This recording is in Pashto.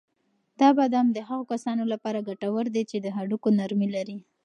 دا بادام د هغو کسانو لپاره ګټور دي چې د هډوکو نرمي لري.